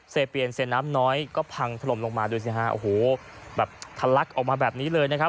เปียนเซน้ำน้อยก็พังถล่มลงมาดูสิฮะโอ้โหแบบทะลักออกมาแบบนี้เลยนะครับ